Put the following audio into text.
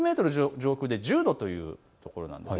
上空で１０度というところなんです。